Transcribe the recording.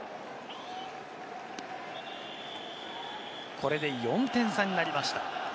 これで４点差になりました。